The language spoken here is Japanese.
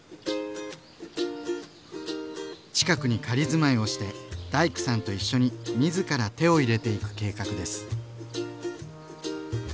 近くに仮住まいをして大工さんと一緒に自ら手を入れていく計画です。